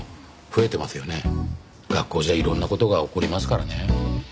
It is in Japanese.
学校じゃいろんな事が起こりますからね。